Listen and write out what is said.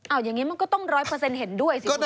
เอาอย่างนี้มันก็ต้อง๑๐๐เห็นด้วยสิคุณ